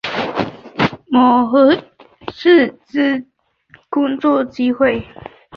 媒合适性之工作机会